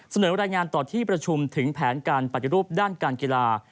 เสนอรายงานต่อที่ประชุมถึงแผนการปฏิรูปด้านการกีฬา